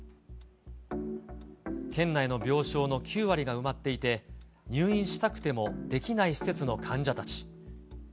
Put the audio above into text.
県内の病床の９割が埋まっていて、入院したくてもできない施設の患者たち。